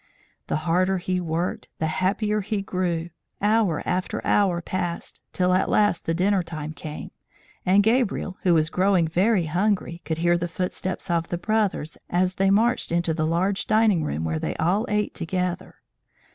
The harder he worked the happier he grew; hour after hour passed, till at last the dinner time came, and Gabriel, who was growing very hungry, could hear the footsteps of the brothers, as they marched into the large dining room where they all ate together.